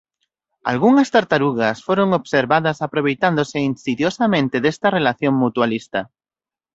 Algunhas tartarugas foron observadas aproveitándose insidiosamente desta relación mutualista.